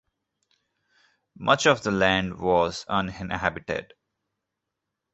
Much of the land was uninhabited.